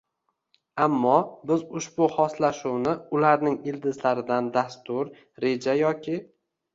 Ammo biz ushbu xoslashuvni ularning ildizlaridan dastur, reja yoki